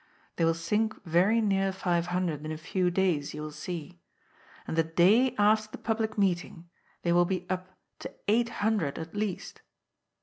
They will sink very near five hundred in a few days, you will see. And the day after the public meeting, they will be up to eight hun dred at least."